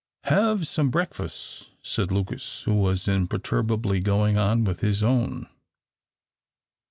"Hev some breakfus?" said Lucas, who was imperturbably going on with his own.